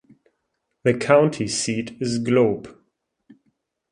The county seat is Globe.